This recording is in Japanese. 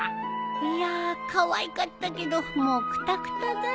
いやかわいかったけどもうくたくただよ。